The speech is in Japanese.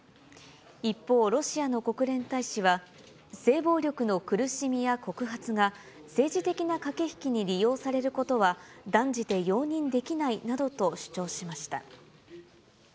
一方、ロシアの国連大使は、性暴力の苦しみや告発が、政治的な駆け引きに利用されることは、断じて容認できないなどと主張しました。